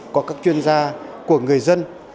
của các chuyên gia của người dân